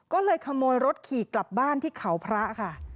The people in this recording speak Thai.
ก็เลยขโมยรถขี่กลับบ้านที่เขาพระค่ะ